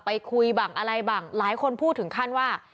ไปคุยบ้างอะไรบ้างหลายคนพูดถึงขั้นว่า